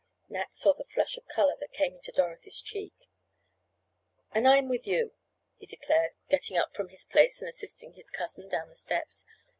Nat saw the flush of color that came into Dorothy's cheeks. "And I'm with you!" he declared, getting up from his place and assisting his cousin down the steps.